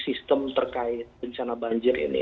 sistem terkait bencana banjir ini